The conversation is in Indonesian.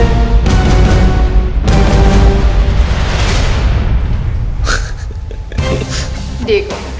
tapi maksimal maksimal tiga anak asuhnya books